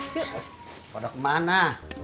kau udah kemana